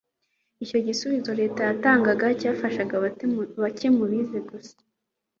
icyo gisubizo leta yatangaga cyafashaga bake gusa mu bize